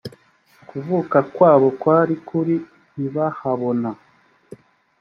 kuvuka kwabo kwari kuri ntibahabona